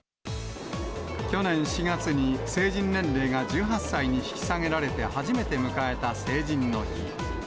去年４月に成人年齢が１８歳に引き下げられて初めて迎えた成人の日。